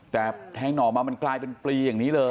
แต่แทงหน่อมามันกลายเป็นปลีอย่างนี้เลย